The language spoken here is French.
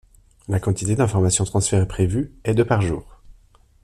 La quantité d'information transférée prévue est de par jour.